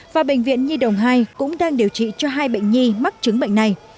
và bệnh viện nhi đồng hai cũng đang điều trị cho hai bệnh nhi mắc chứng bệnh này